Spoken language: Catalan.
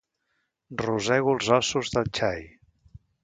Rosego els ossos del xai.